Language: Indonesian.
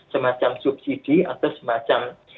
semacam subsidi atau semacam